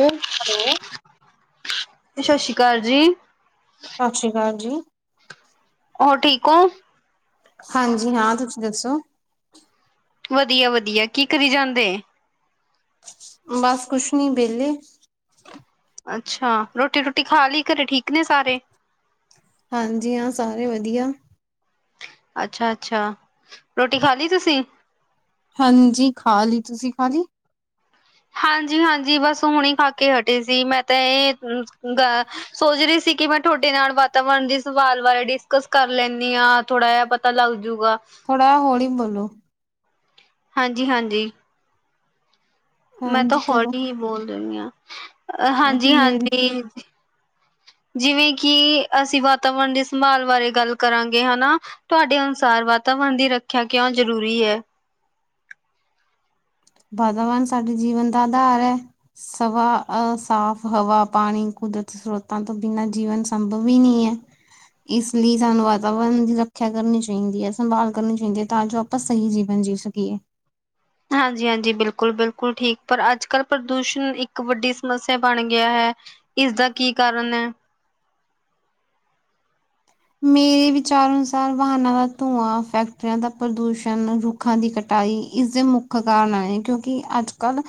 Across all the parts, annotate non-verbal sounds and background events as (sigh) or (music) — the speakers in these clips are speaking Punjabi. ਹੂ। ਹੈਲੋ ਸਤਿ ਸ਼੍ਰੀ ਅਕਾਲ ਜੀ। ਸਤਿ ਸ਼੍ਰੀ ਅਕਾਲ ਜੀ। ਹੋਰ ਠੀਕ ਹੋ। ਹਾਂਜੀ ਹਾਂ ਤੁਸੀਂ ਦੱਸੋ। ਵਧੀਆ ਵਧੀਆ ਕੀ ਕਰੀ ਜਾਂਦੇ। ਬਸ ਕੁਛ ਨੀ ਬੇਲੇ। ਅੱਛਾ ਰੋਟੀ ਰੂਟੀ ਖਾ ਲਈ। ਘਰੇ ਠੀਕ ਨੇ ਸਾਰੇ। ਹਾਂਜੀ ਹਾਂ ਸਾਰੇ ਵਧੀਆ। ਅੱਛਾ ਅੱਛਾ ਰੋਟੀ ਖਾ ਲਈ ਤੁਸੀਂ। ਹਾਂਜੀ ਖਾ ਲਈ ਤੁਸੀਂ ਖਾ ਲਈ। ਹਾਂਜੀ ਹਾਂਜੀ ਬਸ ਹੁਣੇ ਖਾ ਕੇ ਹਟੇ ਸੀ ਮੈਂ ਤਾਂ ਇਹ ਗ ਸੋਚਰੀ ਸੀ ਕਿ ਮ। ਤੁਹਾਡੇ ਨਾਲ ਵਾਤਾਵਰਨ ਦੀ ਸਵਾਲ ਬਾਰੇ ਡਿਸਕਸ ਕਰ ਲੈਂਦੀ ਹਾਂ। ਥੋੜਾ ਜਿਹਾ ਪਤਾ ਲੱਗਜੂਗਾ। ਥੋੜਾ ਹੋਲੀ ਬੋਲੋ। ਹਾਂਜੀ ਹਾਂਜੀ। ਮੈਂ ਤਾਂ ਹਾਂਜੀ ਕਰੋ। ਹੋਲੀ ਹੀ ਬੋਲ ਰਹੀ ਹਾਂ। ਹਾਂਜੀ ਮੇਰੇ ਜਿਵੇਂ ਕਿ ਅਸੀਂ ਵਾਤਾਵਰਨ ਦੀ ਸੰਭਾਲ ਬਾਰੇ ਗੱਲ ਕਰਾਂਗੇ ਹਨਾ। ਤੁਹਾਡੇ ਅਨੁਸਾਰ ਵਾਤਾਵਰਨ ਦੀ ਰੱਖਿਆ ਕਿਉਂ ਜ਼ਰੂਰੀ ਹੈ? ਵਾਤਾਵਾਨ ਸਾਡੇ ਜੀਵਨ ਦਾ ਅਧਾਰ ਐ। ਸਵਾ ਅਹ ਸਾਫ਼ ਹਵਾ, ਪਾਣੀ, ਕੁਦਰਤ ਸਰੋਤਾਂ ਤੋਂ ਬਿਨਾਂ ਜੀਵਨ ਸੰਭਵ ਈਨੀ ਐ। ਇਸ ਲਈ ਸਾਨੂੰ ਵਾਤਾਵਰਨ ਦੀ ਰੱਖਿਆ ਕਰਨੀ ਚਾਈਦੀ ਐ, ਸੰਭਾਲ ਕਰਨੀ ਚਾਈਦੀ ਐ ਤਾਂ ਜੋ ਆਪਾ ਸਹੀ ਜੀਵਨ ਜੀ ਸਕੀਏ। ਹਾਂਜੀ-ਹਾਂਜੀ ਬਿਲਕੁਲ ਬਿਲਕੁਲ ਠੀਕ ਪਰ ਅੱਜ-ਕੱਲ੍ਹ ਪ੍ਰਦੂਸ਼ਣ ਇੱਕ ਵੱਡੀ ਸਮੱਸਿਆ ਬਣ ਗਿਆ ਹੈ। ਇਸਦਾ ਕੀ ਕਾਰਨ ਐ? ਮੇਰੇ ਵਿਚਾਰ ਅਨੁਸਾਰ ਵਾਹਨਾਂ ਦਾ ਧੂੰਆਂ, ਫੈਕਟਰੀਆਂ ਦਾ ਪ੍ਰਦੂਸ਼ਣ ਰ ਖਾਂ ਦੀ ਕਟਾਈ ਇਸਦੇ ਮੁੱਖ ਕਾਰਨ ਆ ਇਹ ਕਿਉਂਕਿ ਅੱਜ-ਕੱਲ੍ਹ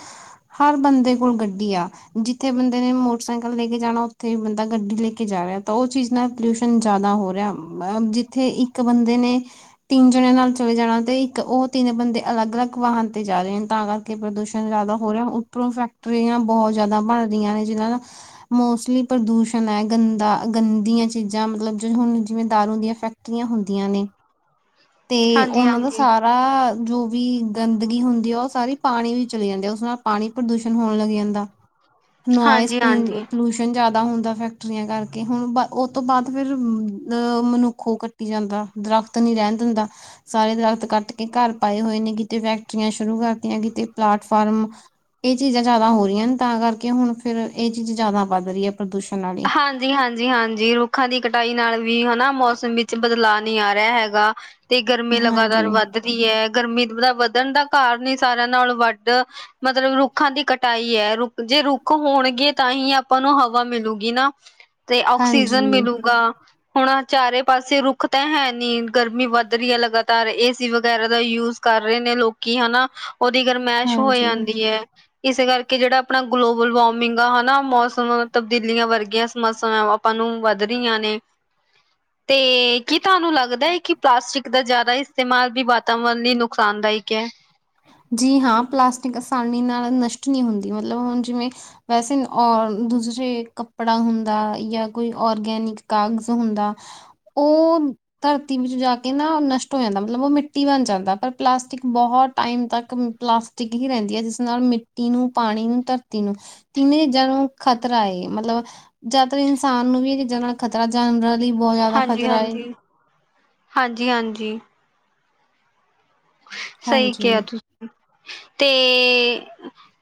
ਹਰ ਬੰਦੇ ਕੋਲ ਗੱਡੀ ਆ। ਜਿੱਥੇ ਬੰਦੇ ਨੇ ਮੋਟਰਸਾਈਕਲ ਲੈ ਕੇ ਜਾਣਾ ਉੱਥੇ ਬੰਦਾ ਗੱਡੀ ਲੈ ਕੇ ਜਾ ਰਿਆ ਤਾਂ ਉਹ ਚੀਜ਼ ਨਾਲ ਪੋਲਿਊਸ਼ਨ ਜ਼ਿਆਦਾ ਹੋ ਰਿਆ ਅਮ ਜਿੱਥੇ ਇੱਕ ਬੰਦੇ ਨੇ ਤਿੰਨ ਜਣਿਆਂ ਨਾਲ ਚਲੇ ਜਾਣਾ ਤੇ ਇੱਕ ਉਹ ਤਿੰਨ ਬੰਦੇ ਅਲੱਗ-ਅਲੱਗ ਵਾਹਨ ਤੇ ਜਾ ਰੇ ਨੇ ਤਾਂ ਕਰ ਕੇ ਪ੍ਰਦੂਸ਼ਣ ਜ਼ਿਆਦਾ ਹੋ ਰਿਹਾ ਉੱਪਰੋਂ ਫੈਕਟਰੀਆਂ ਬਹੁਤ ਜ਼ਿਆਦਾ ਬਣ ਰੀਆਂ ਨੇ ਜਿਨਾਂ ਨਾ ਮੋਸਟਲੀ ਪ੍ਰਦੂਸ਼ਣ ਹੈ ਗੰਦਾ। ਗੰਦੀਆਂ ਚੀਜ਼ਾਂ ਮਤਲਬ ਹੁਣ ਜਿਵੇਂ ਦਾਰੂ ਦੀਆਂ ਫੈਕਟਰੀਆਂ ਹੁੰਦੀਆਂ ਨੇ ਤੇ ਉਹਨਾਂ ਦਾ ਹਾਂਜੀ-ਹਾਂਜੀ, ਸਾਰ ਜੋ ਵੀ ਗੰਦਗੀ ਹੁੰਦੀ ਆ ਉਹ ਸਾਰੀ ਪਾਣੀ ਵੀ ਚਲੀ ਜਾਂਦੀ ਆ। ਉਸ ਨਾਲ ਪਾਣੀ ਪ੍ਰਦੂਸ਼ਣ ਹੋਣ ਲੱਗ ਜਾਂਦਾ ਨੁਇਸ ਹਾਂਜੀ-ਹਾਂਜੀ। ਪਲੂ ਪਲੂਸ ਜ਼ਿਆਦਾ ਹੁੰਦਾ ਫੈਕਟਰੀਆਂ ਕਰਕੇ। ਹੁਣ ਉਹ ਤੋਂ ਬਾਅਦ ਫਿਰ ਅ ਮਨੁੱਖ ਜਾਂਦਾ ਦਰਖਤ ਨੀ ਰਹਿਣ ਦਿੰਦਾ। ਸਾਰੇ ਦਰਖਤ ਕੱਟ ਕੇ ਘਰ ਪਾਏ ਹੋਏ ਨੇ ਕਿਤੇ ਫੈਕਟਰੀਆਂ ਸ਼ੁਰੂ ਕਰਤੀਆਂ ਕਿਤੇ ਪਲਾਟਫਾਰਮ। ਇਹ ਚੀਜ਼ਾਂ ਜ਼ਿਆਦਾ ਹੋ ਰੀ ਆਂ ਨੇ ਤਾਂ ਕਰਕੇ ਹੁਣ ਫਿਰ ਇਹ ਚੀਜ਼ ਜ਼ਿਆਦਾ ਵੱਧ ਰੀ ਐ ਪ੍ਰਦੂਸ਼ਣ ਨਾਲ। ਹਾਂਜੀ-ਹਾਂਜੀ-ਹਾਂਜੀ ਰੁੱਖਾਂ ਦੀ ਕਟਾਈ ਨਾਲ ਵੀ ਹਨਾ ਮੌਸਮ ਵਿੱਚ ਬਦਲਾਅ ਨੀ ਆ ਰਿਆ ਹੈਗਾ। ਤੇ ਗਰਮੀ ਹਾਂਜੀ, ਲਗਾਤਾਰ ਵੱਧ ਰਹੀ ਐ। ਗਰਮੀ ਦਾ ਵੱਧਣ ਦਾ ਕਾਰਨ ਈ ਸਾਰਿਆਂ ਨਾਲੋਂ ਵੱਧ ਮਤਲਬ ਰੁੱਖਾਂ ਦੀ ਕਟਾਈ ਐ ਰੁੱਖ ਜੇ ਰੁੱਖ ਹੋਣਗੇ ਤਾਂ ਹੀ ਆਪਾਂ ਨੂੰ ਹਵਾ ਮਿਲੂਗੀ। ਗੀ ਨਾ ਤੇ ਹਾਂਜੀ, ਆਕਸੀਜਨ ਮਿਲੂਗਾ। ਹੁਣ ਚਾਰੇ ਪਾਸੇ ਰੁੱਖ ਤਾਂ ਹੈ ਨੀ, ਗਰਮੀ ਵੱਧ ਰੀਆ ਲਗਾਤਾਰ ਏਸੀ ਵਗੈਰਾ ਦਾ ਯੂਜ ਕਰ ਰੇ ਨੇ ਲੋਕੀ ਹਨਾ ਉਹਦੀ ਗਰਮਾਇਸ਼ ਹੋ ਹਾਂਜੀ। ਜਾਂਦੀ ਐ। ਇਸੇ ਕਰਕੇ ਜਿਹੜਾ ਆਪਣਾ ਗਲੋਬਲ ਵਾਰਮਿੰਗ ਆ ਹਨਾ ਮੌਸਮ ਤਬਦੀ ਲੀਆਂ ਵਰਗੀਆਂ ਸਮੱਸਿਆਵਾਂ ਆਪਾਂ ਨੂੰ ਵੱਧ ਰੀਆਂ ਨੇ। ਤੇ ਕੀ ਤੁਹਾਨੂੰ ਲੱਗਦਾ ਐ ਕਿ ਪਲਾਸਟਿਕ ਦਾ ਜ਼ਿਆਦਾ ਇਸਤੇਮਾਲ ਵੀ ਵਾਤਾਵਰਨ ਲਈ ਨੁਕਸਾਨਦਾਇਕ ਐ? ਜੀ ਹਾਂ ਪਲਾਸਟਿਕ ਆਸਾਨੀ ਨਾਲ ਨਸ਼ਟ ਨੀ ਹੁੰਦੀ ਮਤਲਬ ਹੁਣ ਜਿਵੇਂ ਵੈਸੇ ਔਰ ਦੂਸਰੇ ਕੱਪੜਾ ਹੁੰਦਾ ਜਾਂ ਕੋਈ ਔਰਗੈਨਿਕ ਕਾਗਜ਼ ਹੁੰਦਾ ਔਨ ਧਰਤੀ ਵਿੱਚ ਜਾ ਕੇ ਨਾਅ ਨਸ਼ਟ ਹੋ ਜਾਂਦਾ ਮਤਲਬ ਉਹ ਮਿੱਟੀ ਬਣ ਜਾਂਦਾ ਪਰ ਪਲਾਸਟਿਕ ਬਹੁਤ ਟਾਈਮ ਤੱਕ ਪਲਾਸਟਿਕ ਹੀ ਰਹਿੰਦੀ ਆ ਜਿਸ ਨਾਲ ਮਿੱਟੀ ਨੂੰ, ਪਾਣੀ ਨੂੰ, ਧਰਤੀ ਨੂੰ ਤਿੰਨ ਚੀਜ਼ਾਂ ਨੂੰ ਖ਼ਤਰਾ ਏ ਮਤਲਬ ਜਿਆਦਾਤਰ ਇਨਸਾਨ ਨੂੰ ਵੀ ਇਹ ਚੀਜ਼ਾਂ ਨਾਲ ਖ਼ਤਰਾ ਜਾਨਵਰਾਂ ਲਈ ਬਹੁਤ ਜ਼ਿਆਦਾ ਖ਼ਤਰਾ ਏ। ਹਾਂਜੀ-ਹਾਂਜੀ, ਹਾਂਜੀ-ਹਾਂਜੀ। ਸਈ ਹਾਂਜੀ। ਕਿਹਾ ਤੁ, ਤੇ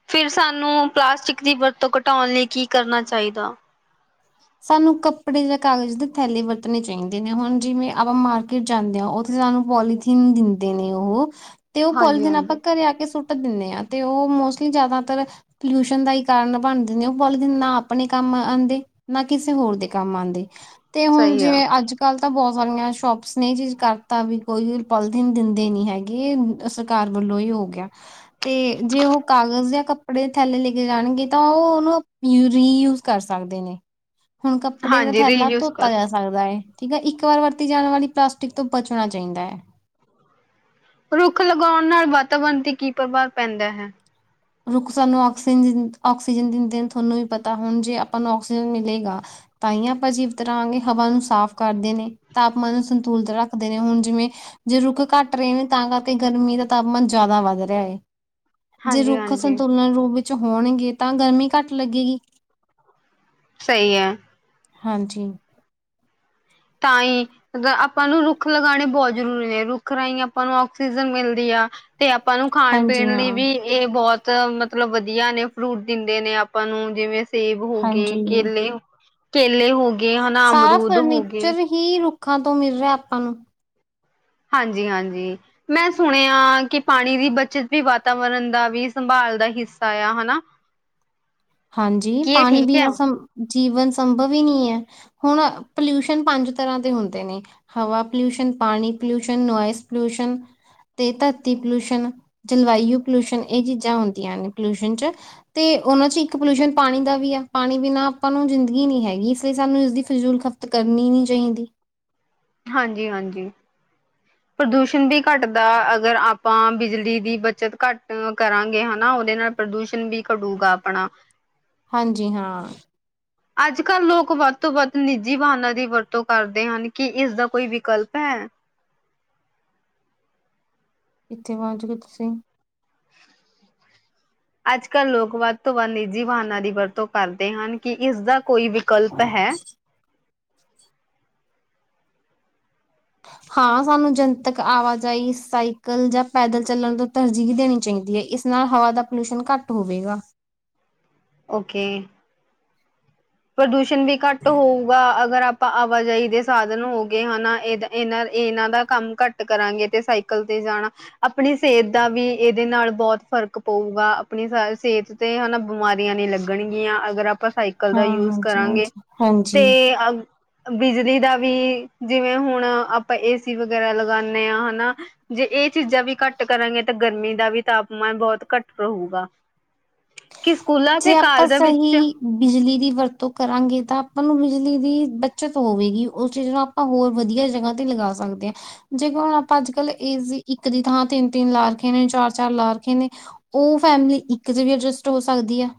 ਫਿਰ ਸਾਨੂੰ ਪਲਾਸਟਿਕ ਦੀ ਵਰਤੋਂ ਘਟਾਉਣ ਲਈ ਕੀ ਕਰਨਾ ਚਾਈਦਾ? ਸਾਨੂੰ ਕੱਪੜੇ ਜਾਂ ਕਾਗਜ਼ ਦੇ ਥੈਲੇ ਵਰਤਣੇ ਚਾਈਦੇ ਨੇ ਹੁਣ ਜਿਵੇਂ ਆਪਾਂ ਮਾਰਕੀਟ ਜਾਂਦੇ ਆ ਉਤ ਸਾਨੂੰ ਪੋਲੀਥੀਨ ਦਿੰਦੇ ਨੇ ਉਹ ਤੇ ਉਹ ਹਾਂਜੀ ਪੋਲੀਥੀਨ ਆਪਾਂ ਹਾਂਜੀ ਘਰੇ ਆ ਕੇ ਸੁੱਟ ਦੀਨੇ ਆ ਤੇ ਉਹ ਮੋਸਟਲੀ ਜਿਆਦਾਤਰ ਪੋਲਿਊਸ਼ਨ ਦਾ ਈ ਕਾਰਨ ਬਣਦੇ ਨੇ ਉਹ ਪੋਲੀਥੀਨ ਨਾ ਆਪਣੇ ਕੰਮ ਆਂਦੇ। ਨਾ ਕਿਸੇ ਹੋਰ ਦੇ ਕੰਮ ਆਦੇ ਤੇ ਹੁਣ ਸਹੀ ਆ ਜਿਵੇਂ ਅੱਜ ਕੱਲ ਤਾਂ ਬਹੁਤ ਸਾਰੀਆਂ ਸ਼ੋਪਸ ਨੇ ਜਿਸ ਕਰਤਾ ਵੀ ਕੋਈ ਪੋਲੀਥੀਨ ਦਿੰਦੇ ਨੀ ਹੈਗੇ ਸਰਕਾਰ ਵੱਲੋਂ ਈ ਹੋ ਗਿਆ ਤੇ ਜੇ ਉਹ ਕਾਗਜ਼ ਜਾਂ ਕੱ ਕੱਪੜੇ ਥੈਲੇ ਲੈ ਕੇ ਜਾਣਗੇ ਤਾਂ ਉਹ ਉਹਨੂੰ ਅਪ ਰੀਯੂਜ ਕਰ ਸਕਦੇ ਨੇ। ਹੁਣ ਕੱਪੜੇ ਦਾ ਹਾਂਜੀ ਥੈਲਾ ਰੀਯੂਜ ਕਰ ਧੋਤਾ ਜਾ ਸਕਦਾ ਹੈ ਠੀਕ ਆ ਇੱਕ ਵਾਰ ਵਰਤੀ ਜਾਣ ਵਾਲੀ ਪਲਾਸਟਿਕ ਤੋਂ ਬਚਣਾ ਚਾਈਦਾ ਐ। ਰੁੱਖ ਲਗਾਉਣ ਨਾਲ ਵਾਤਾਵਰਨ ਤੇ ਕੀ ਪ੍ਰਭਾਵ ਪੈਂਦਾ ਹੈ? ਰੁੱਖ ਸਾਨੂੰ ਆਕਸੀਜਨ ਆਕਸੀਜਨ ਦਿੰਦੇ ਨੇ ਤੁਹਾਨੂੰ ਵੀ ਪਤਾ ਹੁਣ ਜੇ ਆਪਾਂ ਨੂੰ ਆਕਸੀਜਨ ਮਿਲੇਗਾ। ਤਾਂ ਹੀ ਆਪਾਂ ਅ ਜੀਵਤਰਹਾਂ ਹਵਾ ਨੂੰ ਸਾਫ਼ ਕਰਦੇ ਨੇ ਤਾਪਮਾਨ ਨੂੰ ਸੰਤੁਲਤ ਰੱਖਦੇ ਨੇ ਹੁਣ ਜਿਵੇਂ ਜੇ ਰੁੱਖ ਘੱਟ ਰਹੇ ਨੇ ਤਾਂ ਕਰਕੇ ਗਰਮੀ ਦਾ ਤਾਪਮਾਨ ਜ਼ਿਆਦਾ ਵੱਧ ਰਿਹਾ ਹੈ ਜੇ ਹਾਂਜੀ ਰੁੱਖ ਹਾਂਜੀ ਸੰਤੁਲਨ ਰੂਪ ਵਿੱਚ ਹੋਣਗੇ ਤਾਂ ਗਰਮੀ ਘੱਟ ਲੱਗੇਗੀ ਸਹੀ ਹੈ ਹਾਂਜੀ ਤਾਈ ਆਪਾਂ ਨੂੰ ਰੁੱਖ ਲਗਾਣੇ ਬਹੁਤ ਜ਼ਰੂਰੀ ਨੇ ਰੁੱਖ ਰਾਹੀਂ ਆਪਾਂ ਨੂੰ ਆਕਸੀਜਨ ਮਿਲਦੀ ਆ ਤੇ, ਆਪਾਂ ਨੂੰ ਖਾਣ- ਹਾਂਜੀ ਪੀਣ ਲਈ ਹਾਂ ਵੀ ਇਹ ਬਹੁਤ ਮਤਲਬ ਵਧੀਆ ਨੇ ਫਰੂਟ ਦਿੰਦੇ ਨੇ ਆਪਾਂ ਨੂੰ ਜਿਵੇਂ ਸੇਬ ਹੋ ਗਏ ਹਾਂਜੀ ਜੀ ਕੇਲੇ ਕੇਲੇ ਹੋ ਗਏ ਹਨਾ ਸਾਰਾ ਅਮਰੂਦ ਹੋ ਗਏ ਫਰਨੀਚਰ ਹੀ ਰੁੱਖਾਂ ਤੋਂ ਮਿਲ ਰਿਆ ਆਪਾਂ ਨੂੰ। ਹਾਂਜੀ-ਹਾਂਜੀ ਮੈਂ ਸੁਣਿਆ ਕਿ ਪਾਣੀ ਦੀ ਬੱਚਤ ਵੀ ਵਾਤਾਵਰਨ ਦਾ ਵੀ ਸੰਭਾਲ ਦਾ ਹਿੱਸਾ ਆ ਹਨਾ। ਹਾਂਜੀ ਕੀ ਇਹ ਪਾਣੀ ਠੀਕ ਹੈ ਬਿਨਾ ਸੰ ਜੀਵਨ ਸੰਭਵ ਈ ਨੀ ਐ। ਹੁਣ ਪੋਲਿਊਸ਼ਨ ਪੰਜ ਤਰ੍ਹਾਂ ਦੇ ਹੁੰਦੇ ਨੇ। ਹਵਾ ਪੋਲਿਊਸ਼ਨ, ਪਾਣੀ ਪੋਲਿਊਸ਼ਨ, ਨੋਇਸ ਪੋਲਊਸ਼ਨ ਤੇ ਧਰਤੀ ਪਲਿਊਸ਼ਨਣ ਜਲਵਾਯੂ ਪਲੂਸ਼ਨਣ ਇਹ ਚੀਜ਼ਾਂ ਹੁੰਦੀਆਂ ਨੇ ਪੋਲਿਊਸ਼ਨ ਚ ਤੇ ਉਹਨਾਂ ਚ ਇੱਕ ਇੱਕ ਪੋਲਿਊਸ਼ਨ ਪਾਣੀ ਦਾ ਵੀ ਆ ਪਾਣੀ ਬਿਨਾਂ ਆਪਾਂ ਨੂੰ ਜ਼ਿੰਦਗੀ ਨੀ ਹੈਗੀ ਇਸ ਲਈ ਸਾਨੂੰ ਇਸਦੀ ਫਿਲਜ਼ੂਲ ਖਪਤ ਕਰਨੀ ਨੀ ਚਾਹੀਦੀ ਹਾਂਜੀ ਹਾਂਜੀ (inaudible) ਪ੍ਰਦੂਸ਼ਣ ਵੀ ਘੱਟਦਾ ਅਗਰ ਆਪਾਂ ਬਿਜਲੀ ਦੀ ਬੱਚਤ ਘੱਟ ਕਰਾਂਗੇ ਹੈ ਨਾ ਉਹਦੇ ਨਾਲ ਪ੍ਰਦੂਸ਼ਣ ਵੀ ਘਟੂਗਾ ਆਪਣਾ ਹਾਂਜੀ ਹਾਂ ਅੱਜ ਕੱਲ ਲੋਕ ਵੱਧ ਤੋਂ ਵੱਧ ਨਿੱਜੀ ਵਾਹਨਾਂ ਦੀ ਵਰਤੋਂ ਕਰਦੇ ਹਨ ਕੀ ਇਸ ਦਾ ਕੋਈ ਵਿਕਲਪ ਹੈ? ਕਿੱਥੇ, ਵੰਝ ਗਏ ਤੁਸੀਂ? ਅੱਜ ਕੱਲ ਲੋਕ ਵੱਧ ਤੋਂ ਵੱਧ ਨਿੱਜੀ ਵਾਹਨਾਂ ਦੀ ਵਰਤੋਂ ਕਰਦੇ ਹਨ ਕਿ ਇਸਦਾ ਕੋਈ ਵਿਕਲਪ ਹੈ? ਹਾਂ ਸਾਨੂੰ ਜਨਤਕ ਆਵਾਜਾਈ ਸਾਈਕਲ ਜਾਂ ਪੈਦਲ ਚੱਲਣ ਤੋਂ ਤਰਜੀਹ ਦੇਣੀ ਚਾਹੀਦੀ ਹੈ ਇਸ ਨਾਲ ਹਵਾ ਦਾ ਪੋਲਿਊਸ਼ਨ ਘੱਟ ਹੋਵੇਗਾ ਓਕੇ ਪ੍ਰਦੂਸ਼ਣ ਵੀ, ਘੱਟ ਹੋਊਗਾ ਅਗਰ ਆਪ ਆਪਾਂ, ਆਵਾਜਾਈ ਦੇ ਸਾਧਨ ਹੋ ਗਏ ਹਨਾ, ਇਹ ਇਹਨਾਂ- ਇਹਨਾਂ ਦਾ ਕੰਮ ਘੱਟ ਕਰਾਂਗੇ, ਤੇ ਸਾਈਕਲ ਤੇ ਜਾਣਾ ਆਪਣੀ ਸਿਹਤ ਦਾ ਵੀ ਇਹਦੇ ਨਾਲ ਬਹੁਤ ਫ਼ਰਕ ਪਊਗਾ, ਆਪਣੀ ਸ ਸਿਹਤ ਤੇ ਹਨਾ ਬਿਮਾਰੀਆਂ ਨੀ ਲੱਗਣਗੀਆਂ ਅਗਰ ਆਪਾਂ ਸਾਈਕਲ ਦਾ ਹਾਂ ਯੂਜ ਹਾਂਜੀ ਕਰਾਂਗੇ ਹਾਂਜੀ ਹਾਂਜੀ ਤੇ ਅ ਬਿਜਲੀ ਦਾ ਵੀ ਜਿਵੇਂ, ਹੁਣ ਆਪਾਂ ਏਸੀ ਵਗੈਰਾ ਲਗਾਉਦੇ ਹਾਂ ਹਨਾ ਜੇ ਇਹ ਚੀਜ਼ਾਂ ਵੀ ਘੱਟ ਕਰਾਂਗੇ ਤਾਂ ਗਰਮੀ ਦਾ ਵੀ ਤਾਪਮਾਨ ਬਹੁਤ ਘੱਟ ਰਹੇਗਾ ਕਿ, ਸਕੂਲਾਂ ਤੇ ਜੇ ਆਪਾਂ ਕਾਲਜਾਂ ਵਿੱਚ ਸਹੀ ਬਿਜਲੀ ਦੀ ਵਰਤੋਂ ਕਰਾਂਗੇ ਤਾਂ ਆਪਾਂ ਨੂੰ ਬਿਜਲੀ ਦੀ ਬੱਚਤ ਹੋਵੇਗੀ ਉਸ ਚੀਜ਼ ਨਾਲ ਆਪਾਂ, ਹੋਰ ਵਧੀਆ ਜਗ੍ਹਾ ਤੇ ਲਗਾ ਸਕਦੇ ਹਾਂ। ਜੇਕਰ ਹੁਣ ਆਪਾਂ ਅੱਜ- ਕੱਲ੍ਹ ਇਸ ਦੀ ਇੱਕ ਦੀ ਥਾਂ ਤਿੰਨ ਤਿੰਨ ਲਾ ਰੱਖੇ ਨੇ, ਚਾਰ- ਚਾਰ ਲਾ ਰੱਖੇ ਨੇ। ਉਹ ਫੈਮਲੀ, ਇੱਕ ਚ ਵੀ ਅਡਜਸਟ ਹੋ ਸਕਦੀ ਹੈ।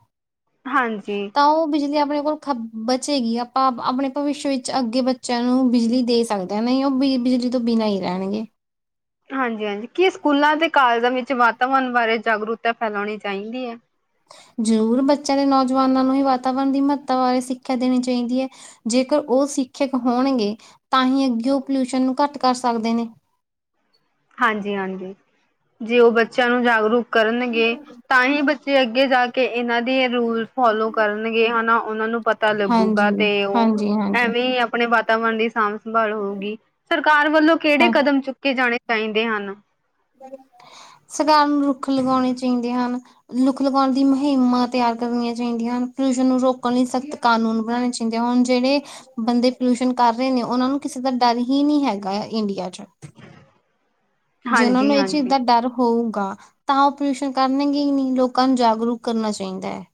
ਹਾਂਜੀ। ਤਾਂ ਉਹ ਬਿਜਲੀ ਆਪਣੇ ਕੋਲ ਖ ਬਚੇਗੀ, ਆਪਾਂ ਆਪਣੇ ਭਵਿੱਸ਼ ਵਿੱਚ, ਅੱਗੇ ਬੱਚਿਆਂ ਨੂੰ ਬਿਜਲੀ ਦੇ ਸਕਦੇ। ਤੇ ਨਹੀਂ, ਉਹ ਬ ਬਿਜਲੀ ਤੋਂ ਬਿਨਾਂ ਹੀ ਰਹਿਣਗੇ। ਹਾਂਜੀ- ਹਾਂਜੀ, ਕੀ ਸਕੂਲਾਂ ਤੇ ਕਾਲਜਾਂ ਵਿੱਚ ਵਾਤਾਵਰਨ ਬਾਰੇ ਜਾਗਰੂਕਤਾ ਫੈਲਾਉਣੀ ਚਾਹੀਦੀ ਹੈ? ਜ਼ਰੂਰ ਬੱਚਿਆਂ ਦੇ ਨੌਜਵਾਨਾਂ ਨੂੰ ਹੀ ਵਾਤਾਵਰਨ ਦੀ ਮਹੱਤਤਾ ਬਾਰੇ ਸਿੱਖਿਆ ਦੇਣੀ ਚਾਹੀਦੀ ਐ। ਜੇਕਰ ਉਹ ਸਿੱਖਿਅਕ ਹੋਣਗੇ ਤਾਂ ਹੀ ਅੱਗੇ ਉਹ ਪੋਲਿਊਸ਼ਨ ਨੂੰ ਘੱਟ ਕਰ ਸਕਦੇ ਨੇ। ਹਾਂਜੀ, ਹਾਂਜੀ। ਜੇ ਉਹ ਬੱਚਿਆਂ ਨੂੰ ਜਾਗਰੂਕ ਕਰਨਗੇ ਤਾਂ ਹੀ ਬੱਚੇ ਅੱਗੇ ਜਾ ਕੇ ਕਿ ਇਹਨਾਂ ਦੇ ਰੂਲ ਫੋਲੋ ਕਰਨਗੇ ਹਨਾ। ਉਹਨਾਂ ਨੂੰ ਪਤਾ ਲੱਗੂਗਾ ਹਾਂਜੀ, ਤੇ ਉਹ ਹਾਂਜੀ, ਹਾਂਜੀ ਐਵੇਂ ਹੀ ਆਪਣੇ ਵਾਤਾਵਰਨ ਦੀ ਸਾਂਭ ਸੰਭਾਲ ਹੋਊਗੀ। ਸਰਕਾਰ ਵੱਲੋਂ ਕਿਹੜੇ ਹਾਂ ਕਦਮ ਚੁੱਕੇ ਜਾਣੇ ਚਾਹੀਦੇ ਹਨ। ਸਰਕਾਰ ਨੂੰ ਰੁੱਖ ਲਗਾਉਣੇ ਚਾਈਦੇ ਹਨ। ਰੁੱਖ ਲਗਾਉਣ ਦੀ ਮੁਹਿੰਮਾਂ ਤਿਆਰ ਕਰਨੀਆਂ ਚਾਹੀਦੀਆਂ। ਪੋਲਿਊਸ਼ਨ ਨੂੰ ਰੋਕਣ ਲਈ ਸਖ਼ਤ ਕਾਨੂੰਨ ਬਣਾਣੇ ਚ ਹੁਣ ਜਿਹੜੇ ਬੰਦੇ ਪੋਲਿਊਸ਼ਨ ਕਰ ਰਹੇ ਨੇ ਉਹਨਾਂ ਨੂੰ ਕਿਸੇ ਦਾ ਡਰ ਹੀ ਨਹੀਂ ਹੈਗਾ ਇੰਡੀਆ ਚ। ਜੇ ਓਨਾ ਨੂੰ ਏ ਚੀਜ਼ ਹਾਂਜੀ-ਹਾਂਜੀ। ਦਾ ਡਰ ਹੋਊਗਾ, ਤਾਂ ਉਹ ਪੋਲਿਊਸ਼ਨ ਕਰਨਗੇ ਹੀ ਨਹੀਂ, ਲੋਕਾਂ ਨੂੰ ਜਾਗਰੂਕ ਕਰਨਾ ਚਾਹੀਦਾ ਹੈ।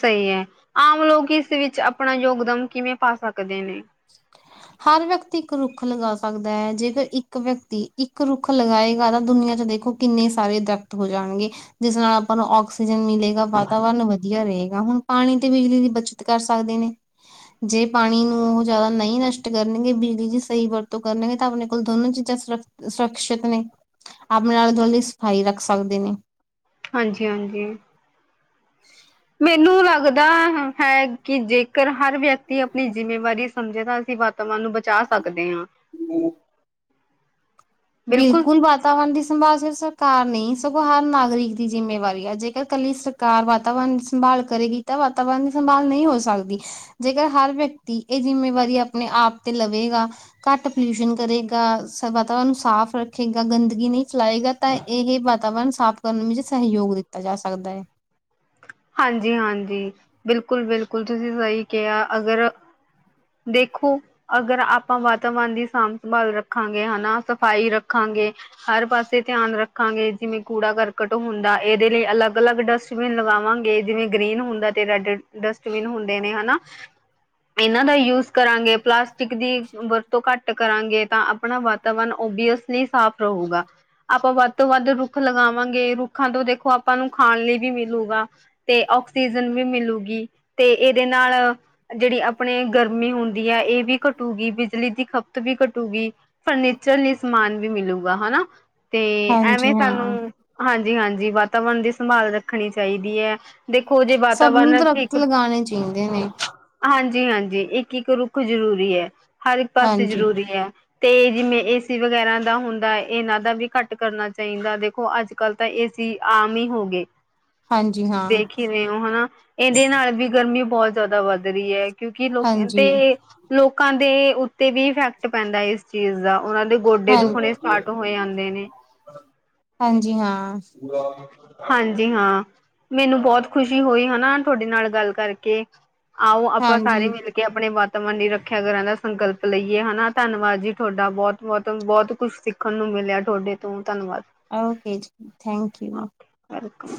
ਸਹੀ ਹੈ, ਆਮ ਲੋਕ ਇਸ ਵਿੱਚ ਆਪਣਾ ਯੋਗਦਾਨ ਕਿਵੇਂ ਪਾ ਸਕਦੇ ਨੇ? (inaudible) ਹਰ ਵਿਅਕਤੀ ਇੱਕ ਰੁੱਖ ਲਗਾ ਸਕਦਾ ਹੈ, ਜੇਕਰ ਇੱਕ ਵਿਅਕਤੀ ਇੱਕ ਰੁੱਖ ਲਗਾਏਗਾ ਤਾਂ ਦੁਨੀਆਂ ਚ ਦੇਖੋ ਕਿੰਨੇ, ਸਾਰੇ ਦਰਖਤ ਹੋ ਜਾਣਗੇ, ਜਿਸ ਨਾਲ ਆਪਾਂ ਨੂੰ ਆਕਸੀਜਨ ਮਿਲੇ। ਵਾਤਾਵਰਨ ਵਧੀਆ ਰਹੇਗਾ ਹੁਣ। ਪਾਣੀ ਤੇ ਬਿਜਲੀ ਦੀ ਬੱਚਤ ਕਰ ਸਕਦੇ ਨੇ। ਜੇ ਪਾਣੀ ਨੂੰ ਉਹ ਜ਼ਿਆਦਾ ਨਹੀਂ ਨਸ਼ਟ ਕਰਨਗੇ। ਬਿਜਲੀ ਦੀ ਸਹੀ ਵਰਤੋਂ ਕਰਨਗੇ। ਤਾਂ, ਆਪਣੇ ਕੋਲ ਦੋਨੋ ਚੀਜ਼ਾਂ ਸੁਰੱਖ ਸੁਰੱਖਸ਼ਿਅਤ ਨੇ ਆਪਣੇ ਆਲੇੇ ਦੁਆਲੇ ਸਫਾਈ ਰੱਖ ਸਕਦੇ ਨੇ। ਹਾਂਜੀ, ਹਾਂਜੀ ਮੈਨੂੰ ਲੱਗਦਾ ਹੈ ਕਿ ਜੇਕਰ ਹਰ ਵਿਅਕਤੀ ਆਪਣੀ ਜਿੰਮੇਵਾਰੀ ਸਮਝੇ ਤਾਂ ਅਸੀਂ ਵਾਤਾਵਰਨ ਨੂੰ ਬਚਾ ਸਕਦੇ ਆ। ਹੂੰ ਬਿਲਕੁਲ ਬਾ ਵਾਤਾਵਰਨ ਦੀ ਸੰਭਾਲ ਸਿਰਫ ਸਰਕਾਰ ਨਹੀਂ, ਸਗੋਂ ਹਰ ਨਾਗਰਿਕ ਦੀ ਜਿੰਮੇਵਾਰੀ ਆ ਜੇਕਰ ਇਕੱਲੀ ਕਾਰ ਵਾਤਾਵਰਨ ਸੰਭਾਲ ਕਰੇਗੀ ਤਾਂ ਵਾਤਾਵਰਨ ਦੀ ਸੰਭਾਲ ਨਹੀਂ ਹੋ ਸਕਦੀ। ਜੇਕਰ ਹਰ ਵਿਅਕਤੀ ਇਹ ਜਿੰਮੇਵਾਰੀ ਆਪਣੇ ਆਪ ਤੇ ਲਵੇਗਾ ਘੱਟ ਪੋਲਿਊਸ਼ਨ ਕਰੇਗਾ। ਵਾਤਾਵਰਨ ਸਾਫ਼ ਰੱਖੇਗਾ ਗੰਦਗੀ ਨਹੀਂ ਫੈਲਾਏਗਾ। ਤਾਂ, ਇਹ ਵਾਤਾਵਰਨ ਸਾਫ਼ ਕਰਨ ਵਿੱਚ ਸਹਿਯੋਗ ਦਿੱਤਾ ਜਾ ਸਕਦਾ ਹੈ। ਹਾਂਜੀ, ਹਾਂਜੀ ਬਿਲਕੁਲ, ਬਿਲਕੁਲ ਤੁਸੀਂ ਸਹੀ ਕਿਹਾ। ਅਗਰ ਦੇਖੋ ਅਗਰ ਆਪਾਂ ਵਾਤਾਵਰਨ ਦੀ ਸਾਂਭ ਸੰਭਾਲ ਰੱਖਾਂਗੇ ਹਨਾ ਸਫ਼ਾਈ ਰੱਖਾਂਗੇ। ਹਰ ਪਾਸੇ ਧਿਆਨ ਰੱਖਾਂਗੇ। ਜਿਵੇਂ ਕੂੜਾ ਕਰਕਟ ਹੁੰਦਾ ਇਹਦੇ ਲਈ ਅਲੱਗ ਅਲੱਗ ਡਸਟ ਜਿਵੇਂ ਲਗਾਵਾਂਗੇ। ਜਿਵੇਂ ਗਰੀਨ ਹੁੰਦਾ ਤੇ ਰੈੱਡ ਡਸਟਬਿਨ ਹੁੰਦੇ ਨੇ ਹਨਾ ਇਹਨਾਂ ਦਾ ਯੂਜ ਕਰਾਂਗੇ। ਪਲਾਸਟ ਦੀ ਵਰਤੋਂ ਘੱਟ ਕਰਾਂਗੇ ਤਾਂ ਆਪਣਾ ਵਾਤਾਵਰਨ ਓਅਸਲੀ ਸਾਫ ਰਹੂਗਾ। ਆਪਾਂ ਵੱਧ ਤੋਂ ਵੱਧ ਰੁੱਖ ਲਗਾਵਾਂਗੇ ਰੁੱਖਾਂ ਤੋਂ ਦੇਖੋ ਆਪਾਂ ਨੂੰ ਖਾਣ ਲਈ ਵੀ ਮਿਲੂਗਾ। ਤੇ ਆਕਸੀਜਨ ਵੀ ਮਿਲੂਗੀ ਤੇ ਇਹਦੇ ਨਾਲ ਜਿਹੜੀ ਆਪਣੇ ਗਰਮੀ ਹੁੰਦੀ ਹੈ ਇਹ ਵੀ ਘਟੂਗੀ, ਬਿਜਲੀ ਦੀ ਖਪਤ ਵੀ ਘਟੂਗੀ। ਫਰਨੀਚਰ ਲਈ ਸਮਾਨ ਵੀ ਮਿਲੂਗਾ ਹਨਾ ਤੇ ਐਵੇਂ ਹਾਂਜੀ ਹਾਂ ਸਾਨੂੰ ਹਾਂਜੀ, ਹਾਂਜੀ ਵਾਤਾਵਰਨ ਦੀ ਸੰਭਾਲ ਰੱਖਣੀ ਚਾਹੀਦੀ ਹੈ। ਦੇਖੋ ਜੇ ਸਭ ਨੂੰ ਵਾਤਾਵਰਨ ਦਰਖਤ ਠੀਕ ਲਗਾਉਣੇ ਚਾਹੀਦੇ ਨੇ ਹਾਂਜੀ, ਹਾਂਜੀ ਇੱਕ-ਇੱਕ ਰੁੱਖ ਜ਼ਰੂਰੀ ਐ। ਹਰ ਇੱਕ ਪਾਸੇ ਹਾਂਜੀ ਜ਼ਰੂਰੀ ਹੈ। ਤੇ ਜਿਵੇਂ ਏਸੀ ਵਗੈਰਾ ਦਾ ਹੁੰਦਾ ਇਹਨਾਂ ਦਾ ਵੀ ਘੱਟ ਕਰਨਾ ਚਾਹੀਦਾ। ਦੇਖੋ ਅੱਜ ਕੱਲ ਤਾਂ ਇਹ ਏ ਸੀ ਆਮ ਹੀ ਹੋ ਗਏ। ਹਾਂਜੀ ਹਾਂ ਤੁਸੀਂ ਦੇਖ ਹੀ ਰਹੇ ਹੋ ਹਨਾ ਇਹਦੇ ਨਾਲ ਵੀ ਗਰਮੀ ਬਹੁਤ ਜ਼ਿਆਦਾ ਵੱਧ ਰਹੀ ਏ। ਕਿਉਂਕਿ, ਲੋਕ ਤੇ ਹਾਂਜੀ ਲੋਕਾਂ ਦੇ ਉੱਤੇ ਵੀ ਇਫੈਕਟ ਪੈਂਦਾ ਇਸ ਚੀਜ਼ ਦਾ ਉਹਨਾਂ ਦੇ ਗੋਡੇ ਹਾਂ ਦੁਖਣੇ ਸਟਾਰਟ ਹੋ ਜਾਦੇ ਨੇ। ਹਾਂਜੀ, ਹਾਂ ਹਾਂਜੀ, ਹਾਂ ਮੈਨੂੰ ਬਹੁਤ ਖੁਸ਼ੀ ਹੋਈ। ਹਨਾ ਤੁਹਾਡੇ ਨਾਲ ਗੱਲ ਕਰਕੇ ਆਓ ਆਪਾਂ ਸਾਰੇ ਹਾਂਜੀ ਮਿਲ ਕੇ ਆਪਣੇ ਵਾਤਾਵਰਨ ਦੀ ਰੱਖਿਆ ਕਰਨ ਦਾ ਸੰਕਲਪ ਲਈਏ ਹਨਾ। ਧੰਨਵਾਦ ਜੀ ਥੋਡਾ ਬਹੁਤ- ਬਹੁਤ -ਬਹੁਤ ਕੁਛ ਸਿੱਖ ਖਣ ਨੂੰ ਮਿਲਿਆ ਤੋਡੇ ਤੋਂ ਧੰਨਵਾਦ। ਓਕੇ ਜੀ ਥੈਂਕ ਯੂ ਵੈਲ ਵੈਲਕਮ।